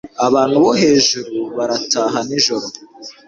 Abantu bo hejuru barataha nijoro.